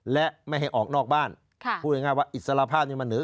และไม่ให้ออกนอกบ้านพูดง่ายว่าอิสระภาพนี้มันเหนือ